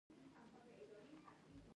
بیا ژبارواپوهنه راڅرګنده شوه